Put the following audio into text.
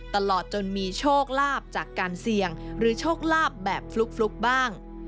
ตลอดจนมีโชคลาภจากการเสี่ยงหรือโชคลาภแบบฟลุกบ้าง